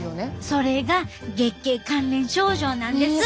それが月経関連症状なんです！